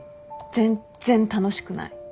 全然楽しくない。